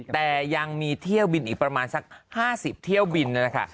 แต่ยังมีเที่ยวบินอีกประมาณสัก๕๐เที่ยวบินนั่นแหละค่ะ